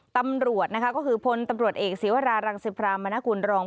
ตำรวจนะคะก็คือพลตำรวจเอกศีวรารังสิพรามนกุลรอง